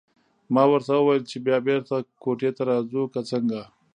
ما ورته وویل چې بیا بېرته کوټې ته راځو که څنګه.